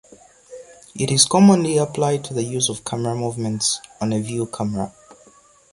It is commonly applied to the use of camera movements on a view camera.